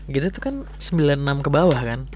genzet itu kan sembilan puluh enam kebawah kan